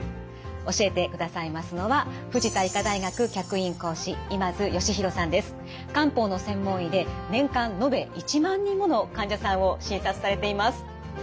教えてくださいますのは漢方の専門医で年間延べ１万人もの患者さんを診察されています。